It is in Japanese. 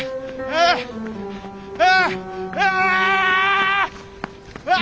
ああ！